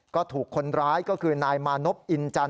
ก็ถูกคนร้ายก็คือนายมานพอินจันท